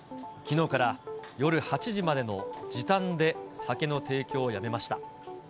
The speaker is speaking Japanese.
きのうから、夜８時までの時短で酒の提供をやめました。